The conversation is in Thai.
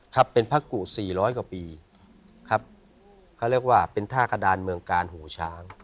ครับเป็นพระกุสี่ร้อยกว่าปีครับเขาเรียกว่าเป็นท่ากระดานเมืองกาลหูช้าง